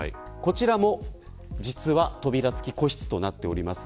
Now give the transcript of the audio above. こちらも実は扉付き個室座席となっております。